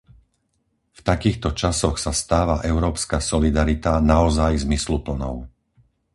V takýchto časoch sa stáva európska solidarita naozaj zmysluplnou.